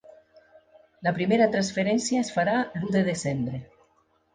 La primera transferència es farà l'u de desembre.